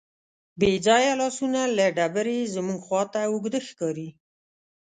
بېځانه لاسونه له ډبرې زموږ خواته اوږده ښکاري.